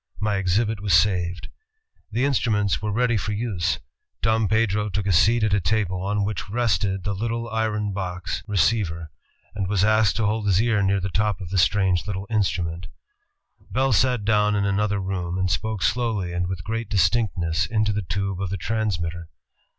My exhibit was saved." The instruments were ready for use. Dom Pedro took a seat at a table on which rested the little iron box re 246 INVENTIONS OF PRINTING AND COMMUNICATION ceiver, and was asked to hold his ear near the top of the strange little instrument. Bell sat down in another room and spoke slowly and with great distinctness into the tube of the transmitter.